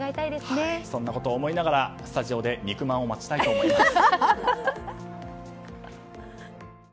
そんなことを思いながらスタジオで肉まんを待ちたいと思います。